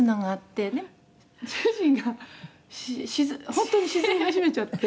「主人が本当に沈み始めちゃって」